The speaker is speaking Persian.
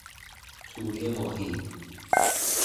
توری ماهی